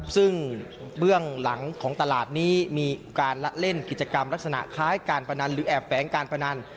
ซึ่งเบื้องหลังของตลาดนี้มีการละเล่นกิจกรรมลักษณะคล้ายการพนันหรือแอบแฝงการพนัน